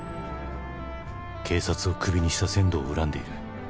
「警察をクビにした千堂を恨んでいる」